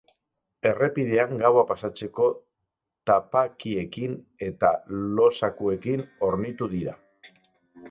Errepidean gaua pasatzeko tapakiekin eta lo-zakuekin hornitu dira.